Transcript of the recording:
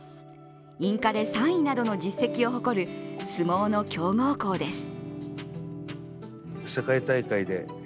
インカレ３位などの実績を誇る相撲の強豪校です。